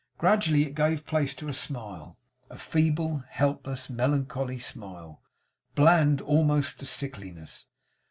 Gradually it gave place to a smile; a feeble, helpless, melancholy smile; bland, almost to sickliness.